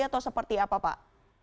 atau seperti apa pak